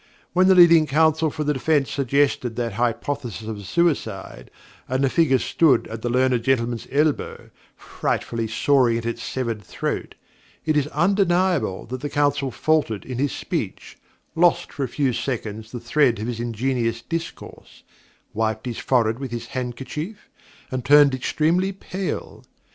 When the leading counsel for the defence suggested that hypothesis of suicide and the figure stood at the learned gentleman's elbow, frightfully sawing at its severed throat, it is undeniable that the counsel faltered in his speech, lost for a few seconds the thread of his ingenious discourse, wiped his forehead with his handkerchief, and turned extremely pale.